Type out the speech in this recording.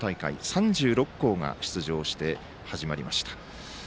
３６校が出場して始まりました。